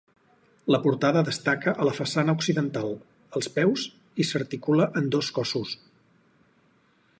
La portada destaca a la façana occidental, als peus, i s'articula en dos cossos.